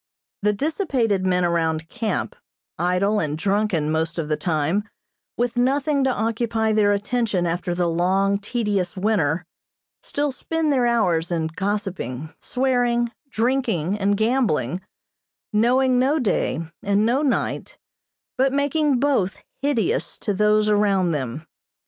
The dissipated men around camp, idle and drunken most of the time, with nothing to occupy their attention after the long, tedious winter, still spend their hours in gossiping, swearing, drinking, and gambling, knowing no day and no night, but making both hideous to those around them.